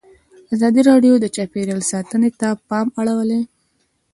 ازادي راډیو د چاپیریال ساتنه ته پام اړولی.